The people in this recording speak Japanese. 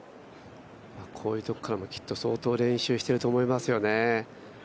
こういうところからも相当練習してると思いますよね。